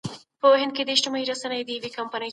د ملکيت حدود بايد مراعات سي.